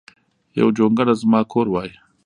یو جونګړه ځما کور وای